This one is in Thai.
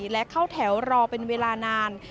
และเข้าแถวรอเป็นเวลานาน